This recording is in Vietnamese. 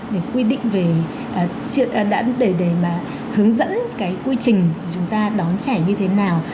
để quy định về để mà hướng dẫn cái quy trình chúng ta đón trẻ như thế nào